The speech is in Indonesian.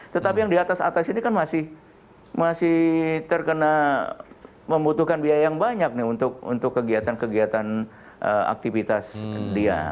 tetapi yang di atas atas ini kan masih terkena membutuhkan biaya yang banyak nih untuk kegiatan kegiatan aktivitas dia